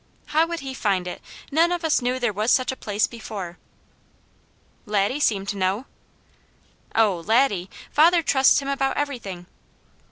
"How would he find it? None of us knew there was such a place before." "Laddie seemed to know!" "Oh Laddie! Father trusts him about everything."